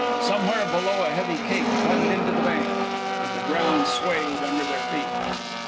Somewhere below a heavy cake butted into the bank, and the ground swayed under their feet.